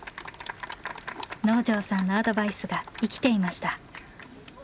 能條さんのアドバイスが生きていました。